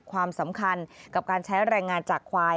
ความสำคัญกับการใช้แรงงานจากควาย